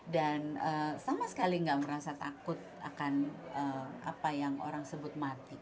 dan sama sekali nggak merasa takut akan apa yang orang sebut mati